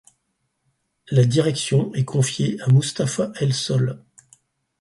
La direction est confiée à Moustapha El Solh.